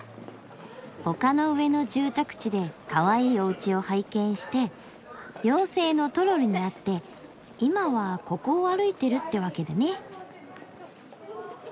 丘の上の住宅地でかわいいおうちを拝見して妖精のトロルに会って今はここを歩いてるってわけだね。